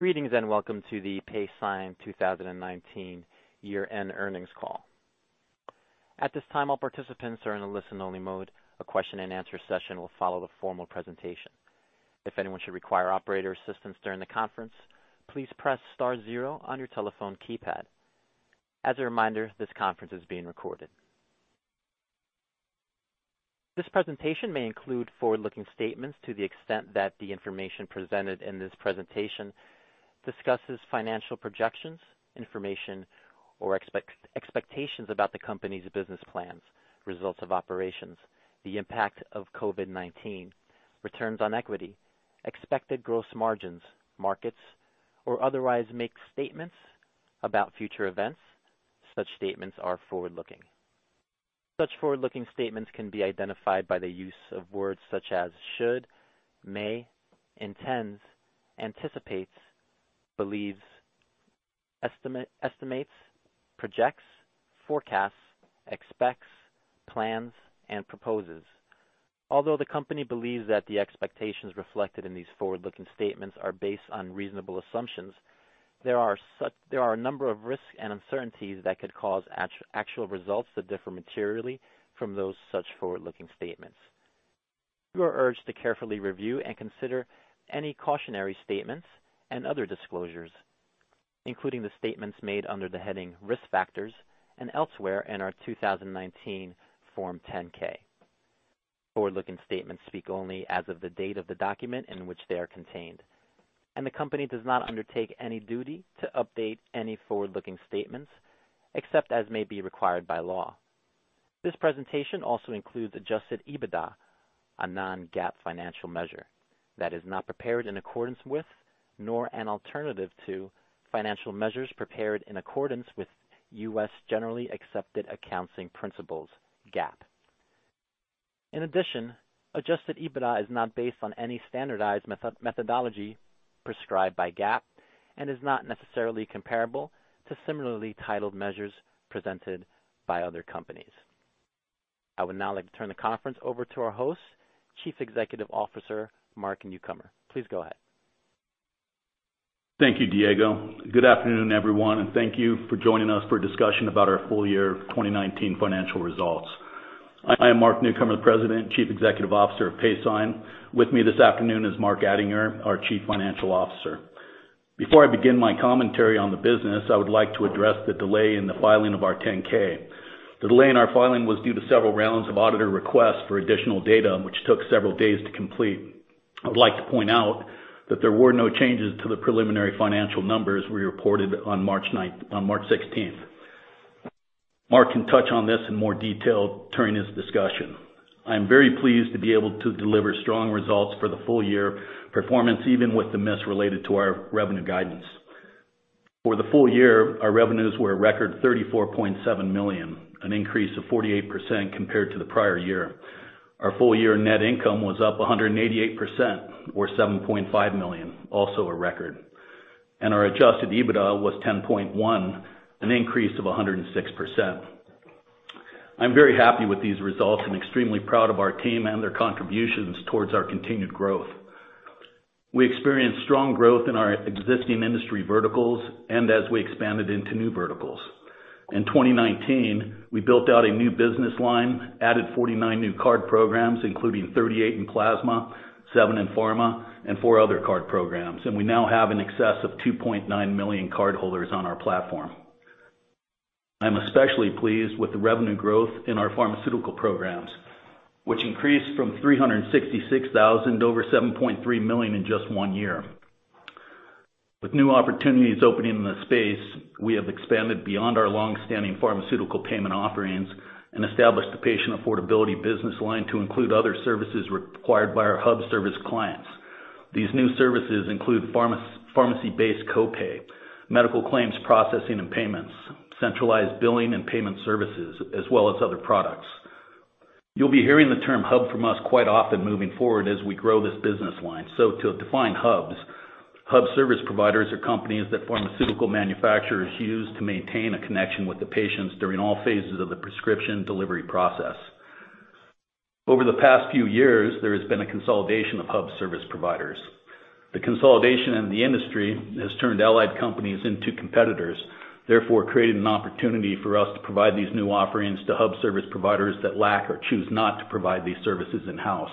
Greetings, and welcome to the Paysign 2019 Year-End Earnings Call. At this time, all participants are in a listen-only mode. A question-and-answer session will follow the formal presentation. If anyone should require operator assistance during the conference, please press star zero on your telephone keypad. As a reminder, this conference is being recorded. This presentation may include forward-looking statements to the extent that the information presented in this presentation discusses financial projections, information, or expectations about the company's business plans, results of operations, the impact of COVID-19, returns on equity, expected gross margins, markets, or otherwise makes statements about future events. Such statements are forward-looking. Such forward-looking statements can be identified by the use of words such as should, may, intends, anticipates, believes, estimates, projects, forecasts, expects, plans, and proposes. Although the company believes that the expectations reflected in these forward-looking statements are based on reasonable assumptions, there are a number of risks and uncertainties that could cause actual results to differ materially from those such forward-looking statements. You are urged to carefully review and consider any cautionary statements and other disclosures, including the statements made under the heading Risk Factors and elsewhere in our 2019 Form 10-K. Forward-looking statements speak only as of the date of the document in which they are contained. The company does not undertake any duty to update any forward-looking statements except as may be required by law. This presentation also includes adjusted EBITDA, a non-GAAP financial measure that is not prepared in accordance with, nor an alternative to, financial measures prepared in accordance with U.S. generally accepted accounting principles, GAAP. In addition, adjusted EBITDA is not based on any standardized methodology prescribed by GAAP and is not necessarily comparable to similarly titled measures presented by other companies. I would now like to turn the conference over to our host, Chief Executive Officer, Mark Newcomer. Please go ahead. Thank you, Diego. Good afternoon, everyone, and thank you for joining us for a discussion about our full-year 2019 financial results. I am Mark Newcomer, President Chief Executive Officer of Paysign. With me this afternoon is Mark Attinger, our Chief Financial Officer. Before I begin my commentary on the business, I would like to address the delay in the filing of our 10-K. The delay in our filing was due to several rounds of auditor requests for additional data, which took several days to complete. I would like to point out that there were no changes to the preliminary financial numbers we reported on March 16th. Mark can touch on this in more detail during his discussion. I'm very pleased to be able to deliver strong results for the full-year performance, even with the miss related to our revenue guidance. For the full-year, our revenues were a record $34.7 million, an increase of 48% compared to the prior year. Our full-year net income was up 188%, or $7.5 million, also a record. Our adjusted EBITDA was $10.1, an increase of 106%. I'm very happy with these results and extremely proud of our team and their contributions towards our continued growth. We experienced strong growth in our existing industry verticals and as we expanded into new verticals. In 2019, we built out a new business line, added 49 new card programs, including 38 in plasma, seven in pharma, and four other card programs, and we now have in excess of 2.9 million cardholders on our platform. I'm especially pleased with the revenue growth in our pharmaceutical programs, which increased from $366,000 to over $7.3 million in just one year. With new opportunities opening in the space, we have expanded beyond our longstanding pharmaceutical payment offerings and established a patient affordability business line to include other services required by our hub service clients. These new services include pharmacy-based co-pay, medical claims processing and payments, centralized billing and payment services, as well as other products. You'll be hearing the term hub from us quite often moving forward as we grow this business line. To define hubs, hub service providers are companies that pharmaceutical manufacturers use to maintain a connection with the patients during all phases of the prescription delivery process. Over the past few years, there has been a consolidation of hub service providers. The consolidation in the industry has turned allied companies into competitors, therefore creating an opportunity for us to provide these new offerings to hub service providers that lack or choose not to provide these services in-house.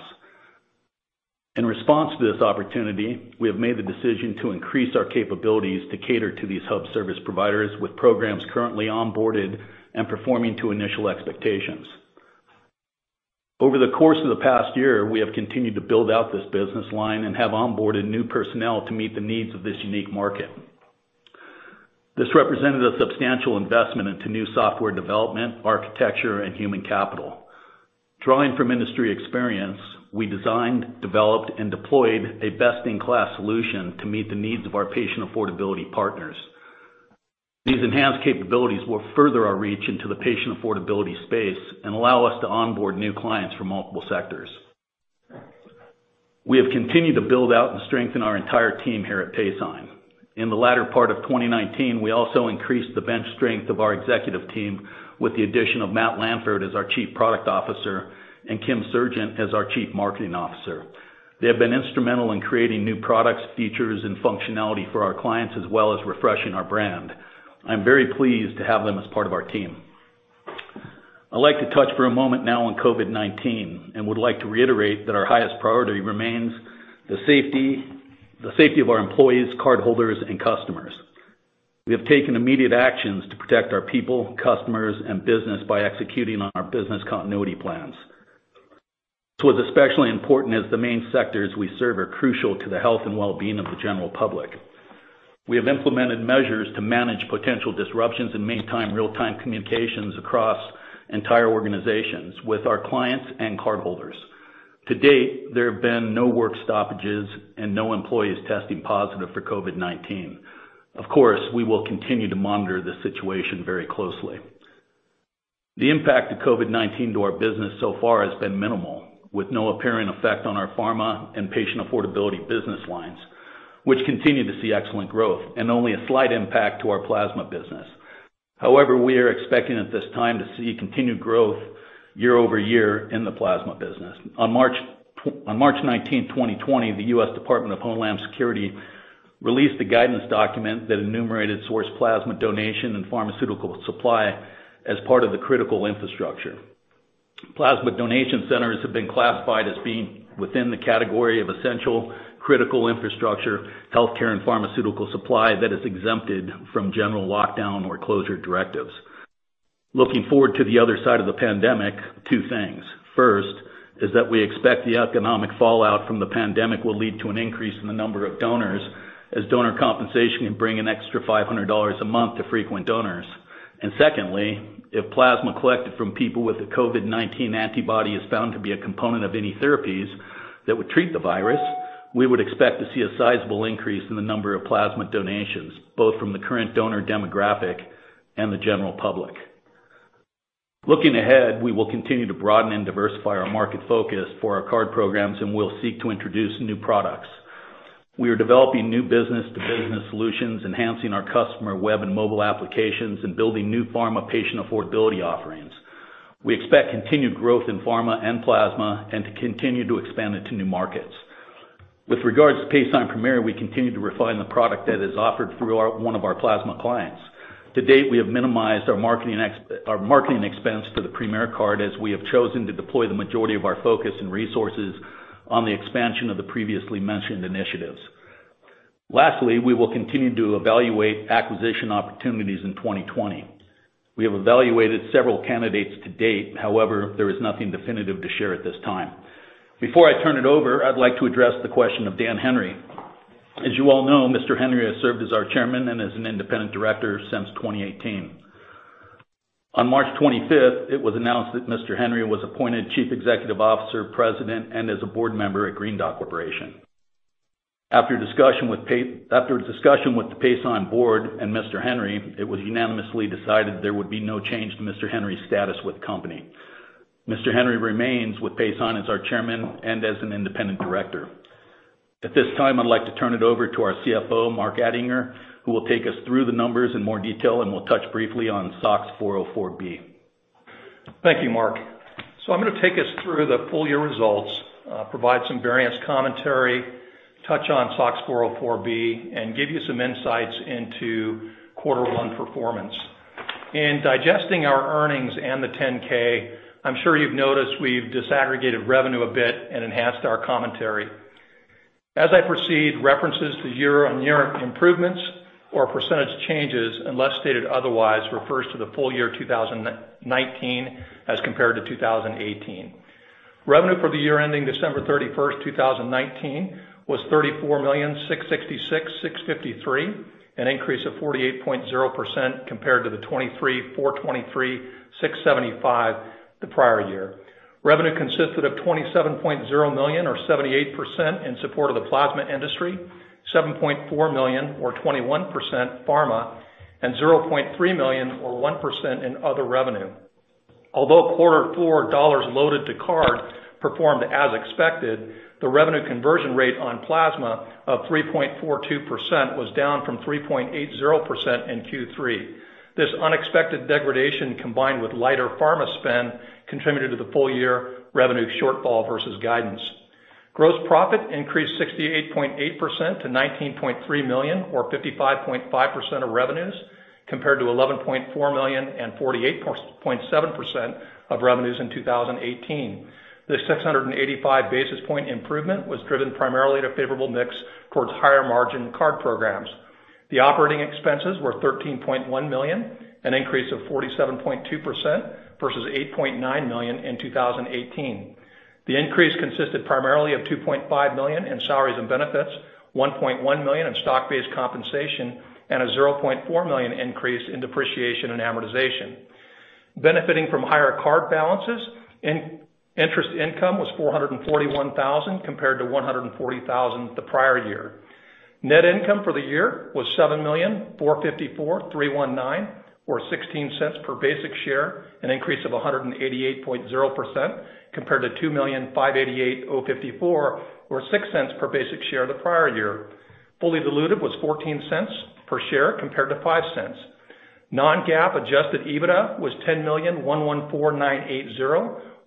In response to this opportunity, we have made the decision to increase our capabilities to cater to these hub service providers with programs currently onboarded and performing to initial expectations. Over the course of the past year, we have continued to build out this business line and have onboarded new personnel to meet the needs of this unique market. This represented a substantial investment into new software development, architecture, and human capital. Drawing from industry experience, we designed, developed, and deployed a best-in-class solution to meet the needs of our patient affordability partners. These enhanced capabilities will further our reach into the patient affordability space and allow us to onboard new clients from multiple sectors. We have continued to build out and strengthen our entire team here at Paysign. In the latter part of 2019, we also increased the bench strength of our executive team with the addition of Matthew Lanford as our Chief Product Officer and Kim Sergent as our Chief Marketing Officer. They have been instrumental in creating new products, features, and functionality for our clients, as well as refreshing our brand. I'm very pleased to have them as part of our team. I'd like to touch for a moment now on COVID-19 and would like to reiterate that our highest priority remains the safety of our employees, cardholders, and customers. We have taken immediate actions to protect our people, customers, and business by executing on our business continuity plans. This was especially important as the main sectors we serve are crucial to the health and wellbeing of the general public. We have implemented measures to manage potential disruptions and maintain real-time communications across entire organizations with our clients and cardholders. To date, there have been no work stoppages and no employees testing positive for COVID-19. Of course, we will continue to monitor the situation very closely. The impact of COVID-19 to our business so far has been minimal, with no apparent effect on our pharma and patient affordability business lines, which continue to see excellent growth and only a slight impact to our plasma business. However, we are expecting at this time to see continued growth year-over-year in the plasma business. On March 19th, 2020, the U.S. Department of Homeland Security released a guidance document that enumerated source plasma donation and pharmaceutical supply as part of the critical infrastructure. Plasma donation centers have been classified as being within the category of essential, critical infrastructure, healthcare, and pharmaceutical supply that is exempted from general lockdown or closure directives. Looking forward to the other side of the pandemic, two things. First is that we expect the economic fallout from the pandemic will lead to an increase in the number of donors, as donor compensation can bring an extra $500 a month to frequent donors. Secondly, if plasma collected from people with a COVID-19 antibody is found to be a component of any therapies that would treat the virus, we would expect to see a sizable increase in the number of plasma donations, both from the current donor demographic and the general public. Looking ahead, we will continue to broaden and diversify our market focus for our card programs, and we'll seek to introduce new products. We are developing new business-to-business solutions, enhancing our customer web and mobile applications, and building new pharma patient affordability offerings. We expect continued growth in pharma and plasma and to continue to expand into new markets. With regards to Paysign Premier, we continue to refine the product that is offered through one of our plasma clients. To date, we have minimized our marketing expense for the Premier card as we have chosen to deploy the majority of our focus and resources on the expansion of the previously mentioned initiatives. Lastly, we will continue to evaluate acquisition opportunities in 2020. We have evaluated several candidates to date. There is nothing definitive to share at this time. Before I turn it over, I'd like to address the question of Dan Henry. As you all know, Mr. Henry has served as our Chairman and as an independent director since 2018. On March 25th, it was announced that Mr. Henry was appointed Chief Executive Officer, President, and as a Board Member at Green Dot Corporation. After a discussion with the Paysign board and Mr. Henry, it was unanimously decided there would be no change to Mr. Henry's status with the company. Mr. Henry remains with Paysign as our Chairman and as an Independent Director. At this time, I'd like to turn it over to our CFO, Mark Attinger, who will take us through the numbers in more detail and will touch briefly on SOX 404(b). Thank you, Mark. I'm going to take us through the full-year results, provide some variance commentary, touch on SOX 404(b), and give you some insights into quarter one performance. In digesting our earnings and the 10-K, I'm sure you've noticed we've disaggregated revenue a bit and enhanced our commentary. As I proceed, references to year-on-year improvements or percentage changes, unless stated otherwise, refers to the full-year 2019 as compared to 2018. Revenue for the year ending December 31st, 2019 was $34.67 million, an increase of 48.0% compared to the $23.42 million the prior year. Revenue consisted of $27.0 million or 78% in support of the plasma industry, $7.4 million or 21% pharma, and $0.3 million or 1% in other revenue. Although quarter four dollars loaded to card performed as expected, the revenue conversion rate on plasma of 3.42% was down from 3.80% in Q3. This unexpected degradation, combined with lighter full-year pharma spend, contributed to the full-year revenue shortfall versus guidance. Gross profit increased 68.8% to $19.3 million or 55.5% of revenues, compared to $11.4 million and 48.7% of revenues in 2018. This 685 basis point improvement was driven primarily at a favorable mix towards higher margin card programs. The operating expenses were $13.1 million, an increase of 47.2% vs. $8.9 million in 2018. The increase consisted primarily of $2.5 million in salaries and benefits, $1.1 million in stock-based compensation, and a $0.4 million increase in depreciation and amortization. Benefiting from higher card balances, interest income was $441,000, compared to $140,000 the prior year. Net income for the year was $7.45 million or $0.16 per basic share, an increase of 188.0%, compared to $2.59 million or $0.06 per basic share the prior year. Fully diluted was $0.14 per share compared to $0.05. Non-GAAP adjusted EBITDA was $10.11 million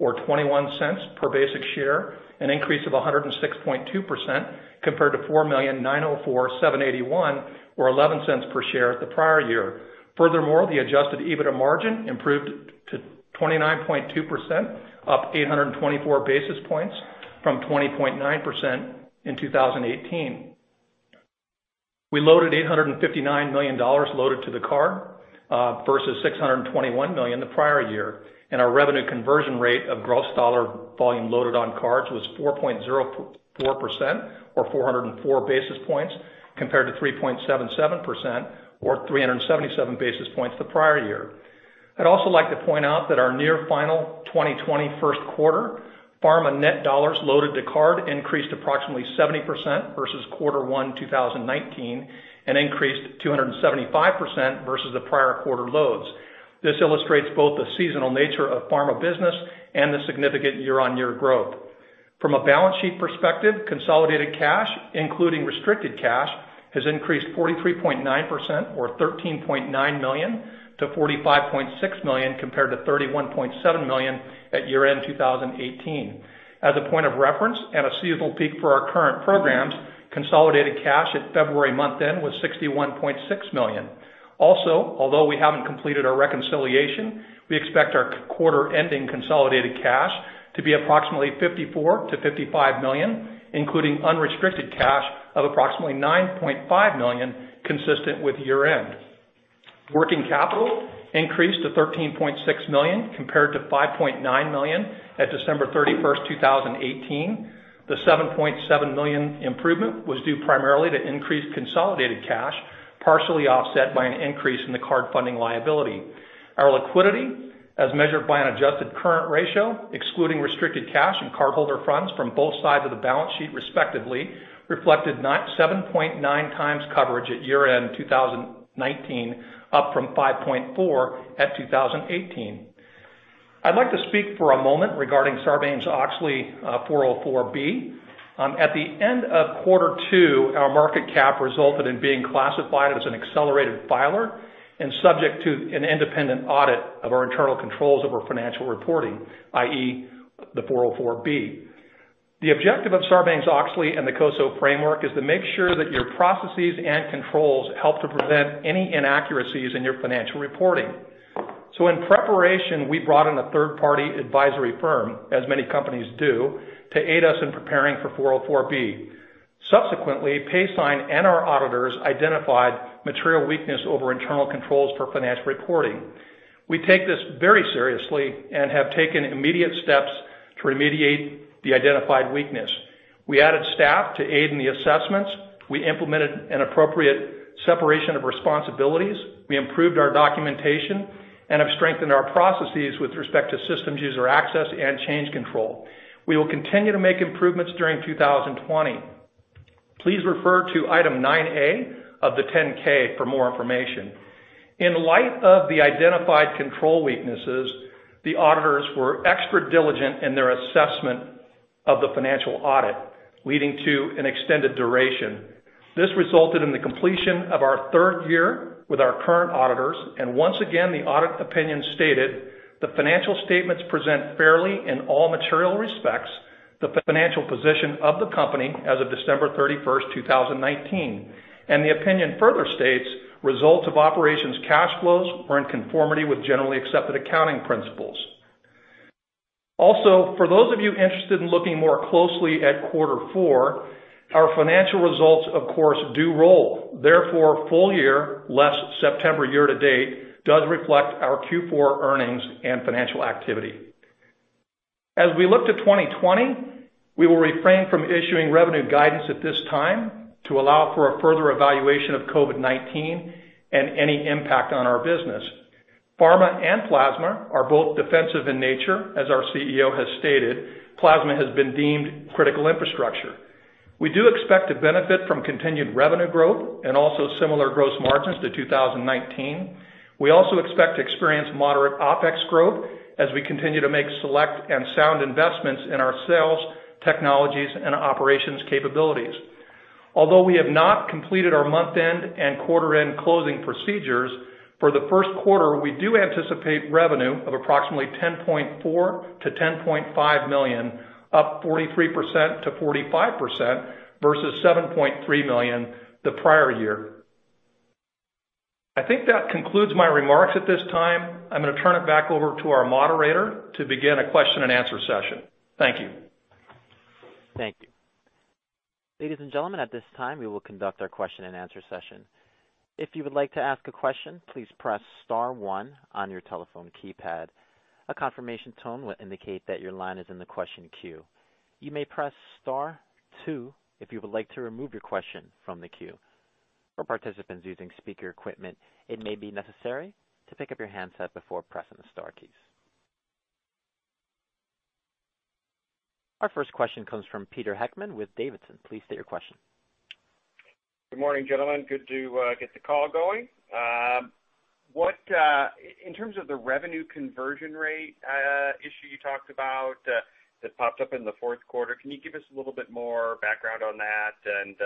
or $0.21 per basic share, an increase of 106.2% compared to $4.90 million or $0.11 per share the prior year. Furthermore, the adjusted EBITDA margin improved to 29.2%, up 824 basis points from 20.9% in 2018. We loaded $859 million loaded to the card, versus $621 million the prior year, and our revenue conversion rate of gross dollar volume loaded on cards was 4.04%, or 404 basis points, compared to 3.77%, or 377 basis points the prior year. I'd also like to point out that our near final 2020 first quarter pharma net dollars loaded to card increased approximately 70% versus quarter one 2019, and increased 275% versus the prior quarter loads. This illustrates both the seasonal nature of pharma business and the significant year-on-year growth. From a balance sheet perspective, consolidated cash, including restricted cash, has increased 43.9%, or $13.9 million to $45.6 million, compared to $31.7 million at year-end 2018. As a point of reference and a seasonal peak for our current programs, consolidated cash at February month end was $61.6 million. Although we haven't completed our reconciliation, we expect our quarter-ending consolidated cash to be approximately $54 million to $55 million, including unrestricted cash of approximately $9.5 million consistent with year-end. Working capital increased to $13.6 million compared to $5.9 million at December 31st, 2018. The $7.7 million improvement was due primarily to increased consolidated cash, partially offset by an increase in the card funding liability. Our liquidity, as measured by an adjusted current ratio excluding restricted cash and cardholder funds from both sides of the balance sheet respectively, reflected 7.9x coverage at year-end 2019, up from 5.4 at 2018. I'd like to speak for a moment regarding Sarbanes-Oxley 404. At the end of quarter two, our market cap resulted in being classified as an accelerated filer and subject to an independent audit of our internal controls over financial reporting, i.e., the 404. The objective of Sarbanes-Oxley and the COSO framework is to make sure that your processes and controls help to prevent any inaccuracies in your financial reporting. In preparation, we brought in a third-party advisory firm, as many companies do, to aid us in preparing for 404. Subsequently, Paysign and our auditors identified material weakness over internal controls for financial reporting. We take this very seriously and have taken immediate steps to remediate the identified weakness. We added staff to aid in the assessments, we implemented an appropriate separation of responsibilities, we improved our documentation, and have strengthened our processes with respect to systems user access and change control. We will continue to make improvements during 2020. Please refer to Item 9A of the 10-K for more information. In light of the identified control weaknesses, the auditors were extra diligent in their assessment of the financial audit, leading to an extended duration. This resulted in the completion of our third year with our current auditors. Once again, the audit opinion stated, "The financial statements present fairly in all material respects the financial position of the company as of December 31st, 2019." The opinion further states, "Results of operations cash flows were in conformity with Generally Accepted Accounting Principles." For those of you interested in looking more closely at quarter four, our financial results of course do roll. Therefore, full-year, less September year to date, does reflect our Q4 earnings and financial activity. As we look to 2020, we will refrain from issuing revenue guidance at this time to allow for a further evaluation of COVID-19 and any impact on our business. Pharma and plasma are both defensive in nature, as our CEO has stated. Plasma has been deemed critical infrastructure. We do expect to benefit from continued revenue growth and also similar gross margins to 2019. We also expect to experience moderate OPEX growth as we continue to make select and sound investments in our sales, technologies, and operations capabilities. Although we have not completed our month-end and quarter-end closing procedures, for the first quarter, we do anticipate revenue of approximately $10.4 million to $10.5 million, up 43%-45%, versus $7.3 million the prior year. I think that concludes my remarks at this time. I'm going to turn it back over to our moderator to begin a question-and-answer session. Thank you. Thank you. Ladies and gentlemen, at this time, we will conduct our question-and-answer session. If you would like to ask a question, please press star one on your telephone keypad. A confirmation tone will indicate that your line is in the question queue. You may press star two if you would like to remove your question from the queue. For participants using speaker equipment, it may be necessary to pick up your handset before pressing the star keys. Our first question comes from Peter Heckmann with Davidson. Please state your question. Good morning, gentlemen. Good to get the call going. In terms of the revenue conversion rate issue you talked about that popped up in the fourth quarter, can you give us a little bit more background on that and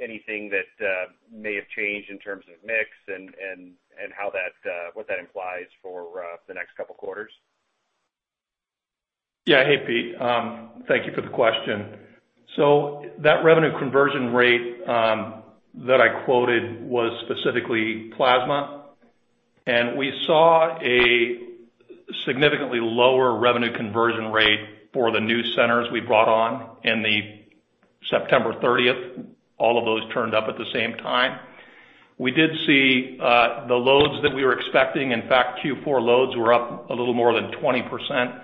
anything that may have changed in terms of mix and what that implies for the next couple of quarters? Yeah. Hey, Peter. Thank you for the question. That revenue conversion rate that I quoted was specifically plasma. We saw a significantly lower revenue conversion rate for the new centers we brought on in the September 30th. All of those turned up at the same time. We did see the loads that we were expecting. In fact, Q4 loads were up a little more than 20%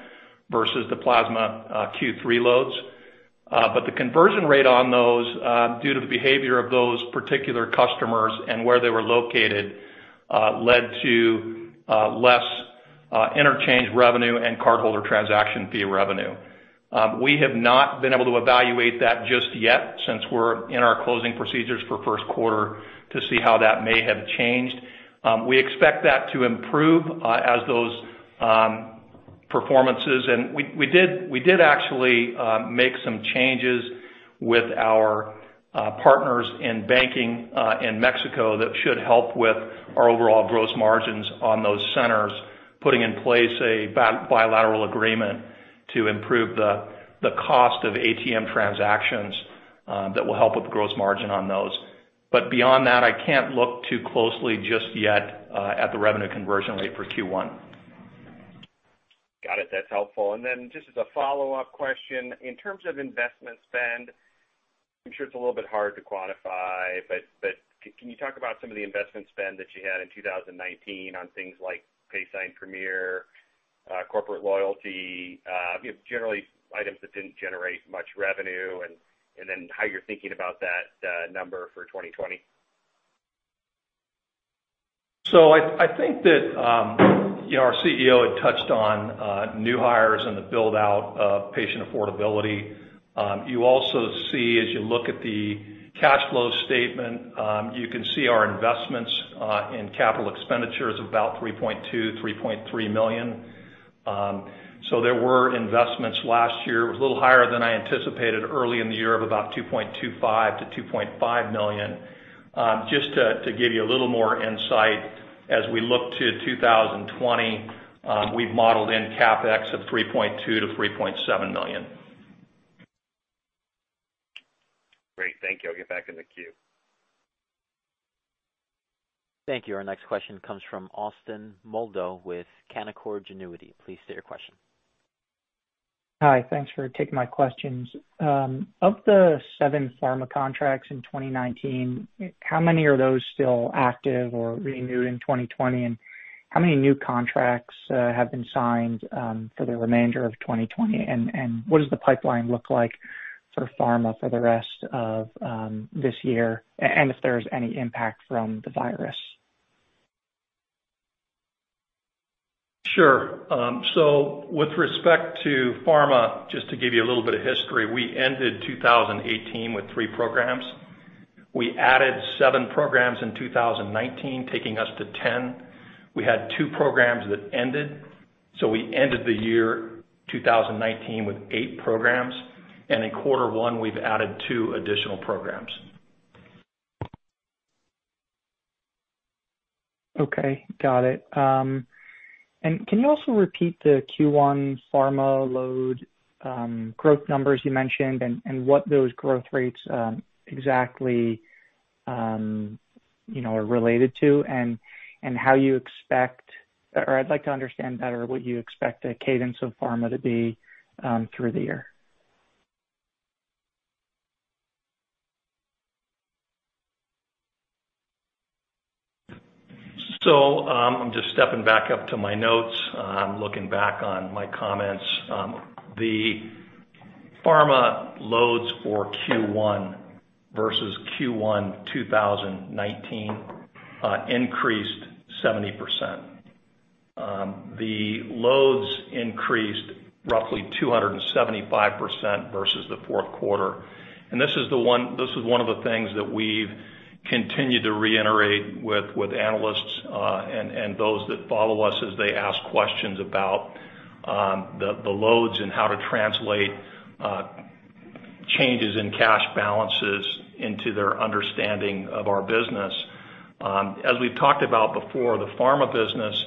versus the plasma Q3 loads. The conversion rate on those, due to the behavior of those particular customers and where they were located, led to less interchange revenue and cardholder transaction fee revenue. We have not been able to evaluate that just yet since we're in our closing procedures for first quarter to see how that may have changed. We expect that to improve as those performances. We did actually make some changes with our partners in banking in Mexico that should help with our overall gross margins on those centers, putting in place a bilateral agreement to improve the cost of ATM transactions that will help with gross margin on those. Beyond that, I can't look too closely just yet at the revenue conversion rate for Q1. Got it. That's helpful. Just as a follow-up question, in terms of investment spend, I'm sure it's a little bit hard to quantify, but can you talk about some of the investment spend that you had in 2019 on things like Paysign Premier, corporate loyalty, generally items that didn't generate much revenue, and then how you're thinking about that number for 2020? I think that our CEO had touched on new hires and the build-out of patient affordability. You also see, as you look at the cash flow statement, you can see our investments in capital expenditures of about $3.2 million, $3.3 million. There were investments last year. It was a little higher than I anticipated early in the year of about $2.25 million to $2.5 million. Just to give you a little more insight as we look to 2020, we've modeled in CapEx of $3.2 million to $3.7 million. Great. Thank you. I'll get back in the queue. Thank you. Our next question comes from Austin Moldow with Canaccord Genuity. Please state your question. Hi, thanks for taking my questions. Of the seven pharma contracts in 2019, how many are those still active or renewed in 2020? How many new contracts have been signed for the remainder of 2020? What does the pipeline look like for pharma for the rest of this year? If there's any impact from the virus. Sure. With respect to pharma, just to give you a little bit of history, we ended 2018 with three programs. We added seven programs in 2019, taking us to 10. We had two programs that ended, so we ended the year 2019 with eight programs. In quarter one, we've added two additional programs. Okay, got it. Can you also repeat the Q1 pharma load growth numbers you mentioned and what those growth rates exactly are related to or I'd like to understand better what you expect the cadence of pharma to be through the year? I'm just stepping back up to my notes. I'm looking back on my comments. The pharma loads for Q1 vs. Q1 2019 increased 70%. The loads increased roughly 275% versus the fourth quarter. This is one of the things that we've continued to reiterate with analysts and those that follow us as they ask questions about the loads and how to translate changes in cash balances into their understanding of our business. As we've talked about before, the pharma business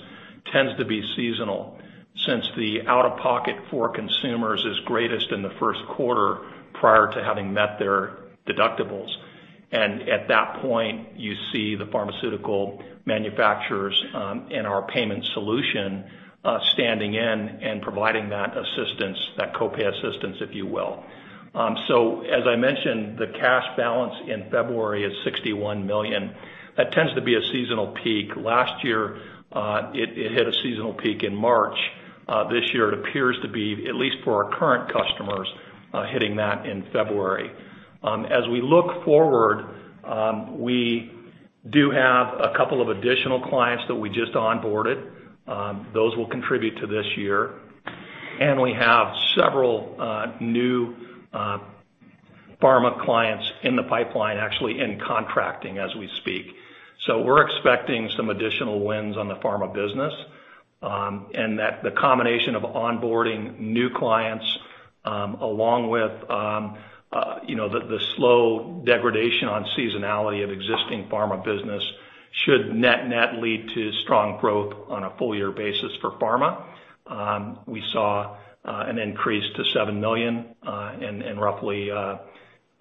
tends to be seasonal since the out-of-pocket for consumers is greatest in the first quarter prior to having met their deductibles. At that point, you see the pharmaceutical manufacturers and our payment solution standing in and providing that assistance, that copay assistance, if you will. As I mentioned, the cash balance in February is $61 million. That tends to be a seasonal peak. Last year, it hit a seasonal peak in March. This year, it appears to be, at least for our current customers, hitting that in February. As we look forward, we do have a couple of additional clients that we just onboarded. Those will contribute to this year. We have several new pharma clients in the pipeline, actually in contracting as we speak. We're expecting some additional wins on the pharma business and that the combination of onboarding new clients along with the slow degradation on seasonality of existing pharma business should net lead to strong growth on a full-year basis for pharma. We saw an increase to 7 million, and roughly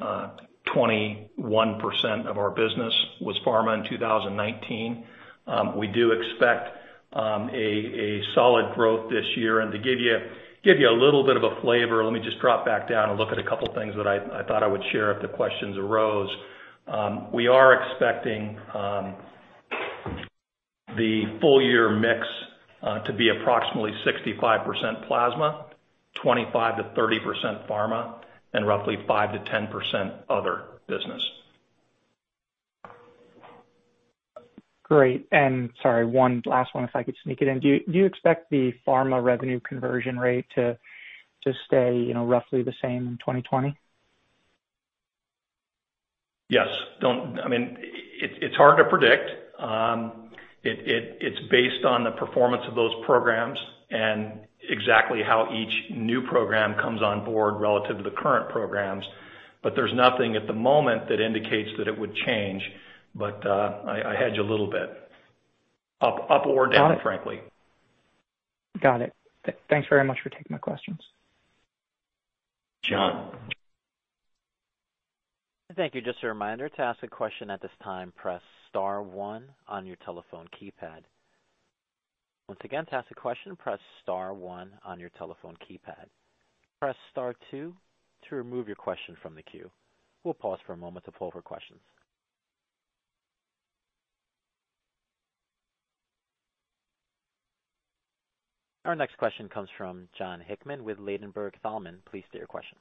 21% of our business was pharma in 2019. We do expect a solid growth this year. To give you a little bit of a flavor, let me just drop back down and look at a couple things that I thought I would share if the questions arose. We are expecting the full-year mix to be approximately 65% plasma, 25%-30% pharma, and roughly 5%-10% other business. Great. Sorry, one last one if I could sneak it in. Do you expect the pharma revenue conversion rate to stay roughly the same in 2020? Yes. It's hard to predict. It's based on the performance of those programs and exactly how each new program comes on board relative to the current programs. There's nothing at the moment that indicates that it would change. I hedge a little bit. Up or down, frankly. Got it. Thanks very much for taking my questions. Jon. Thank you. Just a reminder, to ask a question at this time, press star one on your telephone keypad. Once again, to ask a question, press star one on your telephone keypad. Press star two to remove your question from the queue. We'll pause for a moment to poll for questions. Our next question comes from Jon Hickman with Ladenburg Thalmann. Please state your question.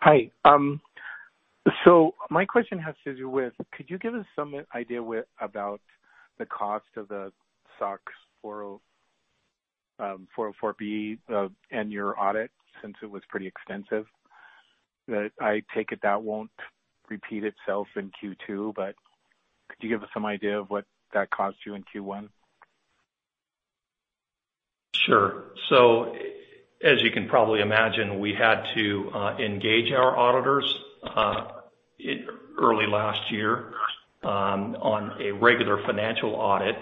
Hi. My question has to do with, could you give us some idea about the cost of the SOX 404(b) and your audit since it was pretty extensive? I take it that won't repeat itself in Q2, but could you give us some idea of what that cost you in Q1? Sure. As you can probably imagine, we had to engage our auditors early last year on a regular financial audit.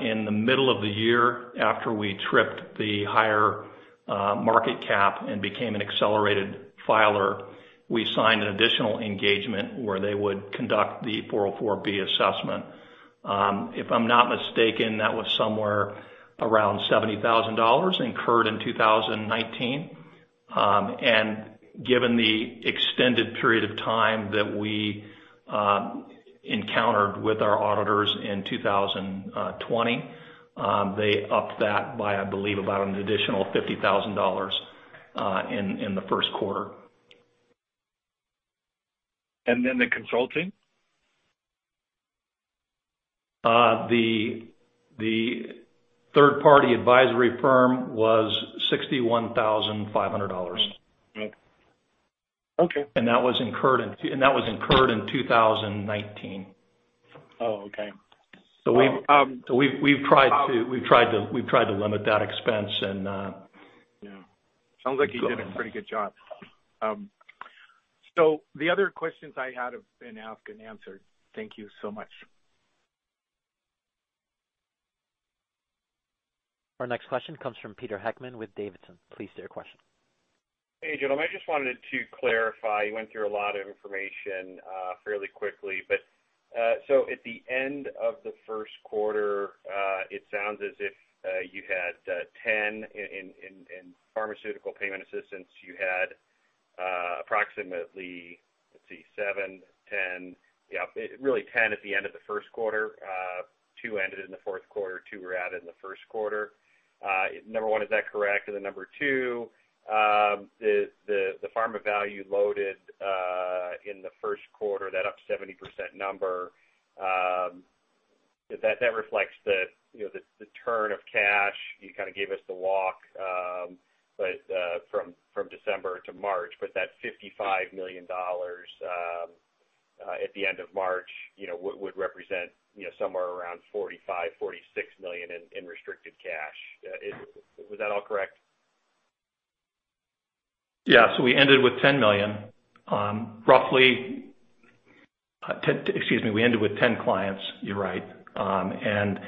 In the middle of the year, after we tripped the higher market cap and became an accelerated filer, we signed an additional engagement where they would conduct the 404(b) assessment. If I'm not mistaken, that was somewhere around $70,000 incurred in 2019. Given the extended period of time that we encountered with our auditors in 2020, they upped that by, I believe, about an additional $50,000 in the first quarter. The consulting? The third-party advisory firm was $61,500. Okay. That was incurred in 2019. Oh, okay. We've tried to limit that expense. Yeah. Sounds like you did a pretty good job. The other questions I had have been asked and answered. Thank you so much. Our next question comes from Peter Heckmann with Davidson. Please state your question. Hey, gentlemen. I just wanted to clarify, you went through a lot of information fairly quickly. At the end of the first quarter, it sounds as if you had 10 in pharmaceutical payment assistance. You had approximately, let's see, seven, 10. Yeah, really 10 at the end of the first quarter. Two ended in the fourth quarter, two were added in the first quarter. Number one, is that correct? Number two, the pharma value loaded in the first quarter, that up 70% number, that reflects the turn of cash. You kind of gave us the walk from December to March, but that $55 million at the end of March would represent somewhere around $45, $46 million in restricted cash. Was that all correct? Excuse me, we ended with 10 clients, you're right. The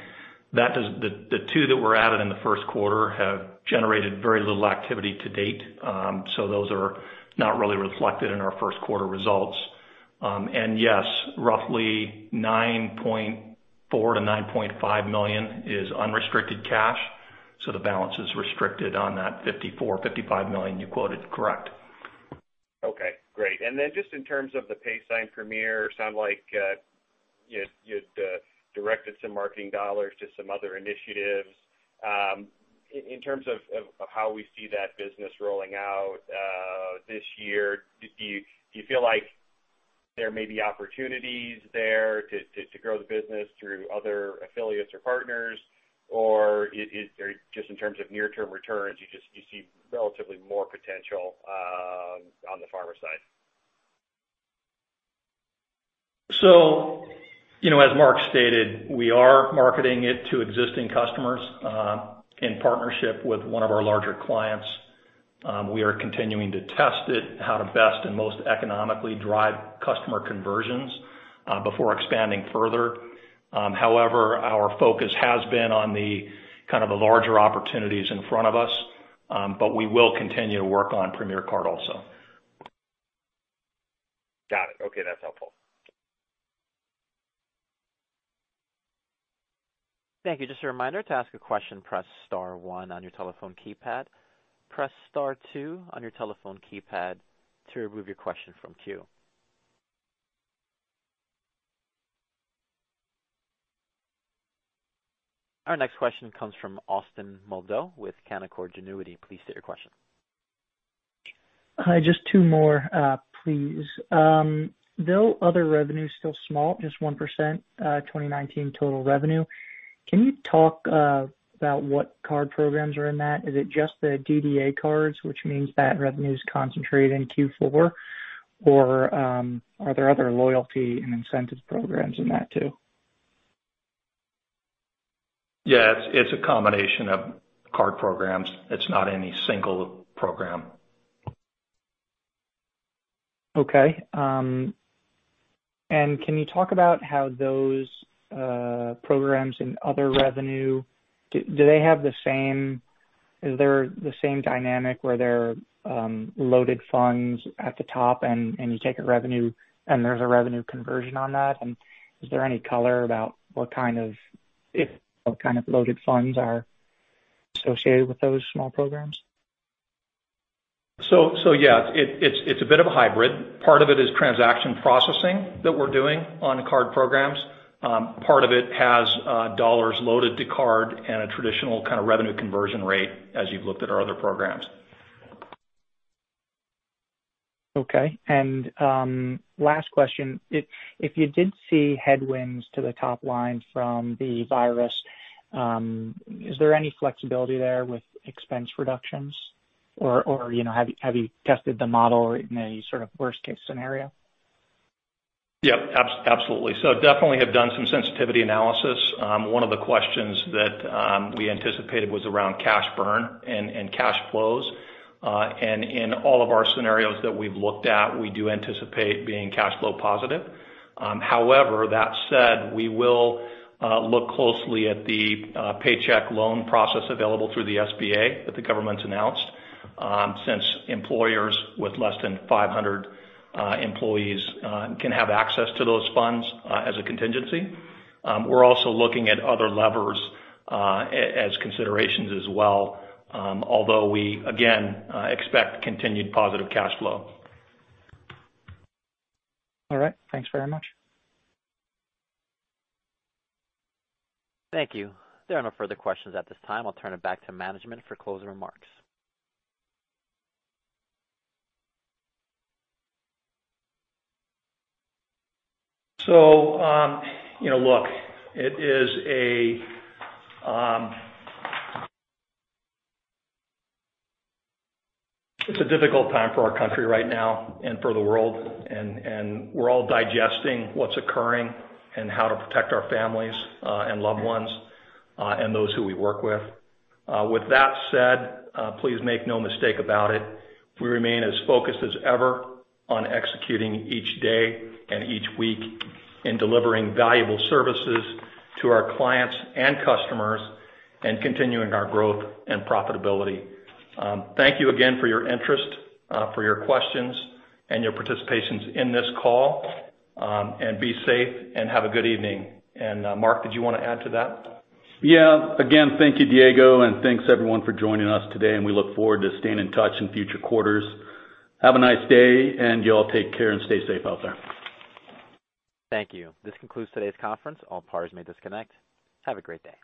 two that were added in the first quarter have generated very little activity to date. Those are not really reflected in our first quarter results. Yes, roughly $9.4 million to $9.5 million is unrestricted cash. The balance is restricted on that $54 million, $55 million you quoted. Correct. Okay, great. Just in terms of the Paysign Premier, it sounded like you had directed some marketing dollars to some other initiatives. In terms of how we see that business rolling out this year, do you feel like there may be opportunities there to grow the business through other affiliates or partners? Or just in terms of near-term returns, you see relatively more potential on the pharma side? As Mark stated, we are marketing it to existing customers, in partnership with one of our larger clients. We are continuing to test it, how to best and most economically drive customer conversions before expanding further. However, our focus has been on the larger opportunities in front of us, but we will continue to work on Premier Card also. Got it. Okay, that's helpful. Thank you. Just a reminder, to ask a question, press star one on your telephone keypad. Press star two on your telephone keypad to remove your question from queue. Our next question comes from Austin Moldow with Canaccord Genuity. Please state your question. Hi. Just two more, please. Though other revenue is still small, just 1% 2019 total revenue. Can you talk about what card programs are in that? Is it just the DDA cards, which means that revenue is concentrated in Q4, or are there other loyalty and incentive programs in that, too? Yeah. It's a combination of card programs. It's not any single program. Okay. Can you talk about how those programs and other revenue, do they have the same dynamic where they're loaded funds at the top, and you take a revenue, and there's a revenue conversion on that? Is there any color about what kind of loaded funds are associated with those small programs? Yeah. It's a bit of a hybrid. Part of it is transaction processing that we're doing on card programs. Part of it has dollars loaded to card and a traditional kind of revenue conversion rate as you've looked at our other programs. Okay. Last question. If you did see headwinds to the top line from the virus, is there any flexibility there with expense reductions? Have you tested the model in a sort of worst-case scenario? Absolutely. Definitely have done some sensitivity analysis. One of the questions that we anticipated was around cash burn and cash flows. In all of our scenarios that we've looked at, we do anticipate being cash flow positive. However, that said, we will look closely at the paycheck loan process available through the SBA that the government's announced since employers with less than 500 employees can have access to those funds as a contingency. We're also looking at other levers as considerations as well although we, again, expect continued positive cash flow. All right. Thanks very much. Thank you. There are no further questions at this time. I'll turn it back to management for closing remarks. Look, it's a difficult time for our country right now and for the world, and we're all digesting what's occurring and how to protect our families and loved ones, and those who we work with. With that said, please make no mistake about it. We remain as focused as ever on executing each day and each week and delivering valuable services to our clients and customers and continuing our growth and profitability. Thank you again for your interest, for your questions, and your participation in this call. Be safe, and have a good evening. Mark, did you want to add to that? Yeah. Again, thank you, Diego. Thanks everyone for joining us today. We look forward to staying in touch in future quarters. Have a nice day. You all take care and stay safe out there. Thank you. This concludes today's conference. All parties may disconnect. Have a great day.